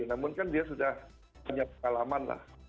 namun kan dia sudah punya pengalaman lah